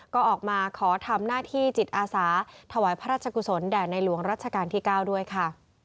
ก็ออกมาขอทำหน้าที่จิตอาสาถวายพระราชกุศลแด่ในหลวงรัชกาลที่๙ด้วยค่ะ